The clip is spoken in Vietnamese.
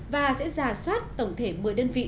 và sẽ giả soát tổng thể một mươi đơn vị